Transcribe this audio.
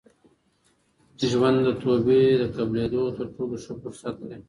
ژوند د توبې د قبلېدو تر ټولو ښه فرصت دی.